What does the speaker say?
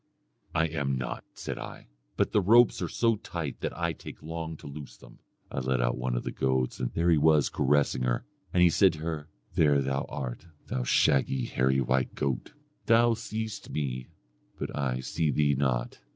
"'I am not,' said I, 'but the ropes are so tight that I take long to loose them.' I let out one of the goats, and there he was caressing her, and he said to her, 'There thou art, thou shaggy, hairy white goat, and thou seest me, but I see thee not.'